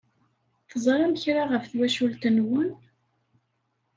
Teẓṛam kra ɣef twacult-nwen?